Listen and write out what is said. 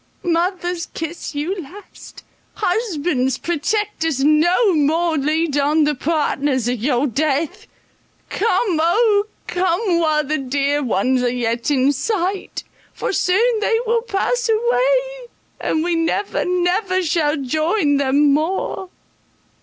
Mothers, kiss you last—husbands, protectors no more, lead on the partners of your death! Come, O come! while the dear ones are yet in sight, for soon they will pass away, and we never never shall join them more."